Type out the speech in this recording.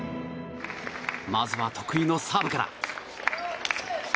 まずは得意のサーブから。